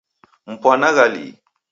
Mpwanagha lii?